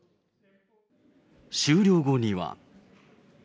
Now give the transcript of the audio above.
終了後には。